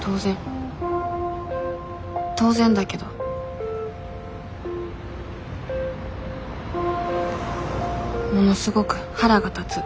当然だけどものすごく腹が立つ。